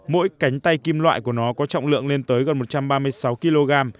mỗi cánh tay kim loại của nó có trọng lượng lên tới gần một trăm ba mươi sáu kg